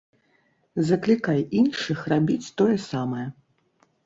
Заклікай іншых рабіць тое самае.